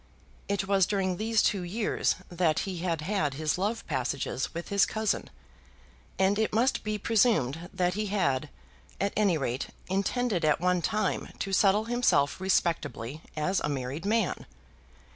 It was during these two years that he had had his love passages with his cousin; and it must be presumed that he had, at any rate, intended at one time to settle himself respectably as a married man.